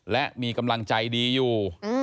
และมีกำลังใจดีอยู่